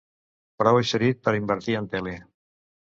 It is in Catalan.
Prou eixerit per invertir en tele.